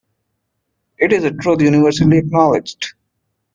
It is a truth universally acknowledged.